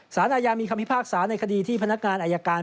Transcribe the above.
สารอาญามีคำพิพากษาในคดีที่พนักงานอายการ